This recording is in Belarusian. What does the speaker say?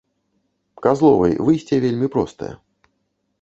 Казловай, выйсце вельмі простае.